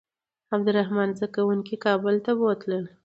عبدالرحمن زده کوونکي کابل ته بوتلل.